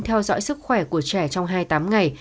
theo dõi sức khỏe của trẻ trong hai mươi tám ngày